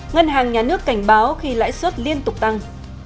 ngân hàng nhà nước cảnh báo khi lãi suất liên tục tăng